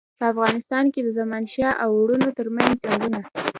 په افغانستان کې د زمانشاه او وروڼو ترمنځ جنګونه.